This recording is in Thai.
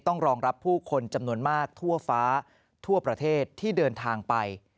ต้องรองรับผู้คนจำนวนมากทั่วฟ้าทั่วประเทศที่เดินทางไป